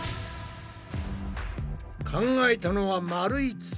考えたのはまるい筒。